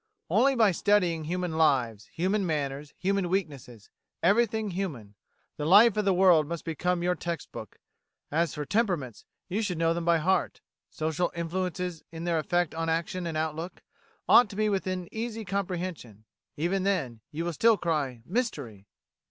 Only by studying human lives, human manners, human weaknesses everything human. The life of the world must become your text book; as for temperaments, you should know them by heart; social influences in their effect on action and outlook, ought to be within easy comprehension; and even then, you will still cry "Mystery!"